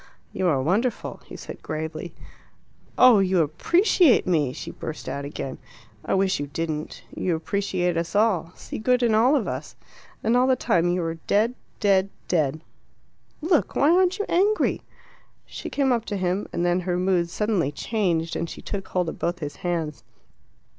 "You are wonderful!" he said gravely. "Oh, you appreciate me!" she burst out again. "I wish you didn't. You appreciate us all see good in all of us. And all the time you are dead dead dead. Look, why aren't you angry?" She came up to him, and then her mood suddenly changed, and she took hold of both his hands.